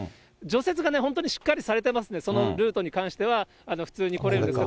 除雪がね、本当にしっかりされてますんで、そのルートに関しては、普通に来れる。